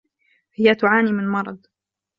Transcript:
هي تعاني من مرض.